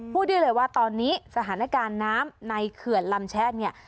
พูดได้เลยว่าตอนนี้สถานการณ์น้ำในเขื่อนลำแชะเนี่ย